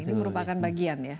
ini merupakan bagian ya